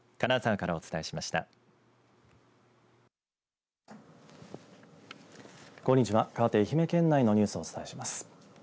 かわって愛媛県内のニュースをお伝えします。